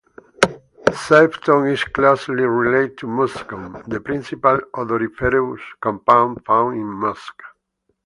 Civetone is closely related to muscone, the principal odoriferous compound found in musk.